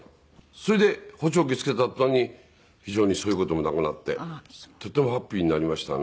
それで補聴器つけた途端に非常にそういう事もなくなってとてもハッピーになりましたね。